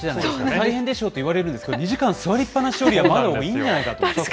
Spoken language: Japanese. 大変でしょう？と言われるんですけど、２時間座りっぱなしよりはいいんじゃないかと。